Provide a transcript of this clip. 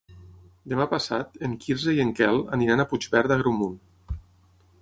Demà passat en Quirze i en Quel aniran a Puigverd d'Agramunt.